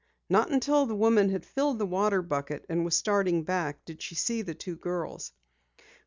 Not until the woman had filled the water bucket and was starting back did she see the two girls.